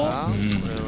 これは。